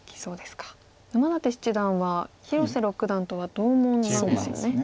沼舘七段は広瀬六段とは同門なんですよね。